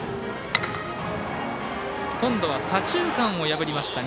今度は左中間を破りました。